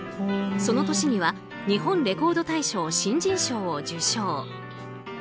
その年には日本レコード大賞新人賞を受賞。